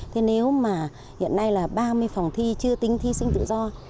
thế nếu mà hiện nay là ba mươi phòng thi chưa tính thi sinh tự do